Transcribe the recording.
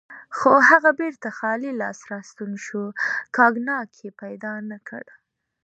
خو هغه بیرته خالي لاس راستون شو، کاګناک یې پیدا نه کړ.